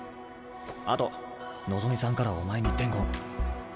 あと望さんからお前に伝言。